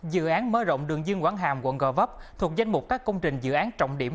dự án mở rộng đường dương quảng hàm quận gò vấp thuộc danh mục các công trình dự án trọng điểm